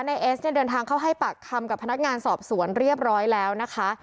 เอสเนี่ยเดินทางเข้าให้ปากคำกับพนักงานสอบสวนเรียบร้อยแล้วนะคะ